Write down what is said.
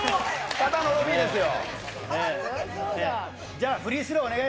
ただのロビーですよ。